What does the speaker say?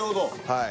はい。